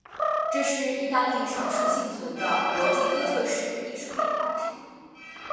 这是意大利少数幸存的国际哥特式艺术壁画之一。